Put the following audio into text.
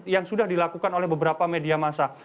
yang sudah dilakukan oleh beberapa media masa